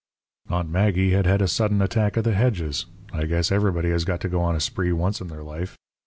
"Aunt Maggie had had a sudden attack of the hedges. I guess everybody has got to go on a spree once in their life.